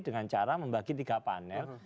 dengan cara membagi tiga panel